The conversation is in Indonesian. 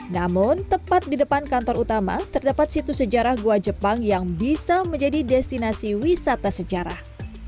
namun tepat di depan kantor utama terdapat situs sejarah goa jepang yang bisa menjadi destinasi wisata sejarah